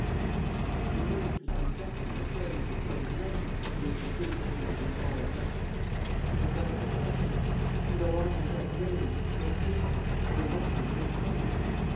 He remained for some seconds a prey to a sort of numbness in which his grief seemed to be swallowed up. He no longer suffered. He no longer felt rage nor hatred nor emotion of any kind